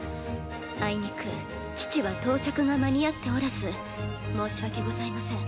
あいにく父は到着が間に合っておらず申し訳ございません。